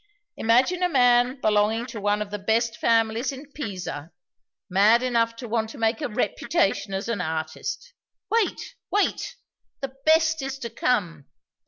Imagine a man belonging to one of the best families in Pisa mad enough to want to make a reputation as an artist! Wait! wait! the best is to come.